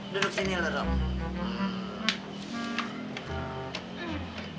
duduk sini lho dong